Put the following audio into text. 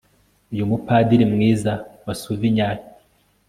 uyu mupadiri mwiza wa souvignac